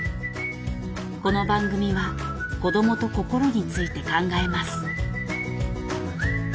この番組は子どもと心について考えます。